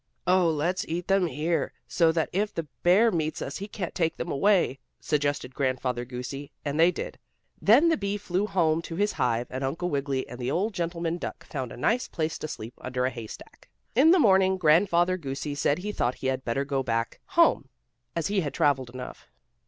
"Oh, let's eat them here, so that if the bear meets us he can't take them away," suggested Grandfather Goosey, and they did. Then the bee flew home to his hive, and Uncle Wiggily and the old gentleman duck found a nice place to sleep under a haystack. In the morning Grandfather Goosey said he thought he had better go back home, as he had traveled enough.